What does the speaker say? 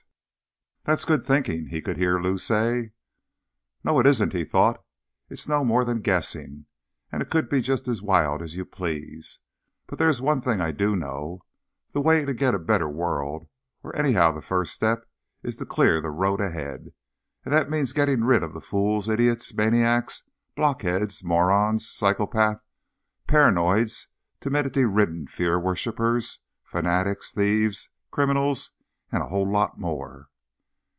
_ "That's good thinking," he could hear Lou say. No, it isn't, he thought; _it's no more than guessing, and it could be just as wild as you please. But there is one thing I do know: the way to get a better world, or anyhow the first step, is to clear the road ahead. And that means getting rid of the fools, idiots, maniacs, blockheads, morons, psychopaths, paranoids, timidity ridden, fear worshipers, fanatics, thieves, criminals and a whole lot more.